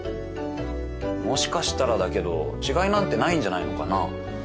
もしかしたらだけど違いなんてないんじゃないのかな。